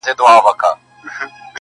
ورور له کلي لرې تللی دی,